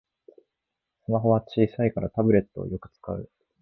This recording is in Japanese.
スマホは小さいからタブレットをよく使う